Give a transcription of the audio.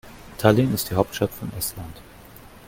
Tallinn ist die Hauptstadt von Estland.